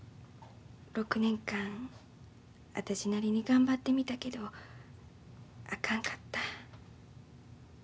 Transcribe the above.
６年間私なりに頑張ってみたけどあかんかった。